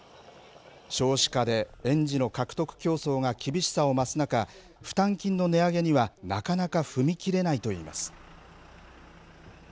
少子化で園児の獲得競争が厳しさを増す中、負担金の値上げには、なかなか踏み切れないといいます。